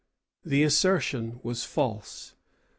The assertion was false.